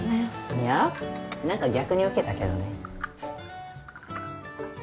いや何か逆にウケたけどね